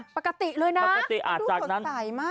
ปกติเลยนะดูสดใสมาก